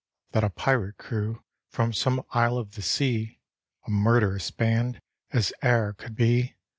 That a pirate crew from some isle of the sea, A murderous band as e'er could be.